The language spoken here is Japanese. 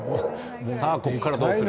さあ、ここからどうする。